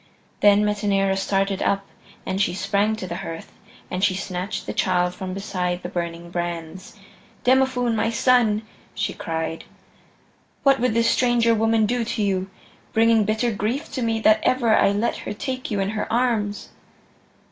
Then Metaneira started up, and she sprang to the hearth, and she snatched the child from beside the burning brands. "Demophoön, my son," she cried, "what would this stranger woman do to you, bringing bitter grief to me that ever I let her take you in her arms?"